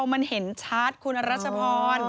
มันเห็นชาติคุณรัชพร